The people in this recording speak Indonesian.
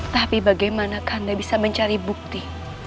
tapi bagaimana anda bisa mencari bukti